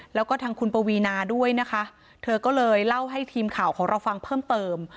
แล้วก็ทางคุณปวีนาด้วยนะคะเธอก็เลยเล่าให้ทีมข่าวของเราฟังเพิ่มเติม